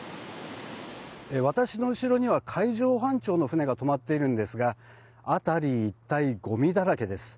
私の後ろには海上保安庁の船が止まっているんですが辺り一帯、ごみだらけです。